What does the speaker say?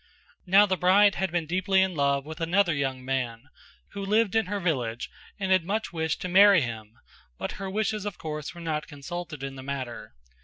Now the bride had been deeply in love with another young man who lived in her village and had much wished to marry him but her wishes of course were not consulted in the matter.